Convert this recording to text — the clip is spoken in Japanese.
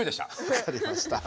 わかりました。